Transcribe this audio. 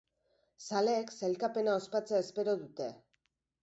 Zaleek sailkapena ospatzea espero dute.